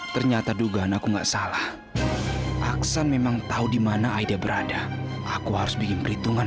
ternyata dugaan aku enggak salah aksan memang tahu dimana aida berada aku harus bikin perhitungan